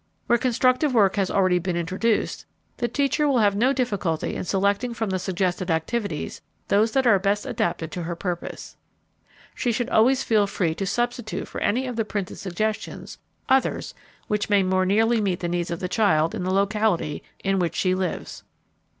Where constructive work has already been introduced, the teacher will have no difficulty in selecting from the suggested activities those that are best adapted to her purpose. She should always feel free to substitute for any of the printed suggestions others that may more nearly meet the needs of the child in the locality in which she lives.